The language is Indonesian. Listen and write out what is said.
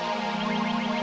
kamu mau be fais dita